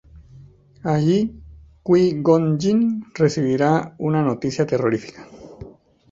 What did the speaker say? Allí, Qui-Gon Jinn recibirá una noticia terrorífica.